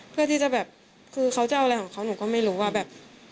เพื่อที่จะแบบคือเขาจะเอาอะไรของเขาหนูก็ไม่รู้ว่าแบบ